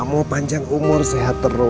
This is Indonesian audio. semoga kamu panjang umur sehat terus